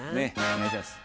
お願いします。